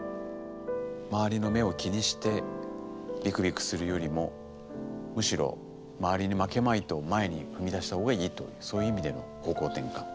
周りの目を気にしてビクビクするよりもむしろ周りに負けまいと前に踏み出した方がいいというそういう意味での方向転換。